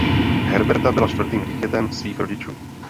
Herberta byla čtvrtým dítětem svých rodičů.